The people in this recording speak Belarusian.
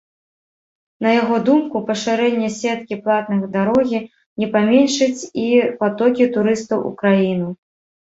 На яго думку, пашырэнне сеткі платных дарогі не паменшыць і патокі турыстаў у краіну.